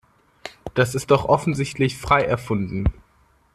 Das ist doch offensichtlich frei erfunden.